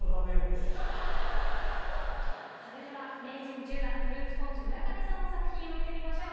それでは名人１０段フルーツポンチ村上さんの作品を見てみましょう。